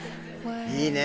いいね。